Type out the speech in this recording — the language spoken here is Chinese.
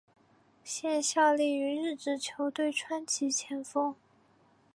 现效力于日职球队川崎前锋。